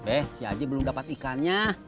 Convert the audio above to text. eh si aja belum dapat ikannya